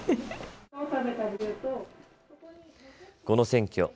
この選挙。